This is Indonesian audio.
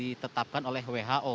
ini tidak ditetapkan oleh who